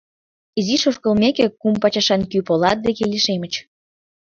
Изиш ошкылмеке, кум пачашан кӱ полат деке лишемыч.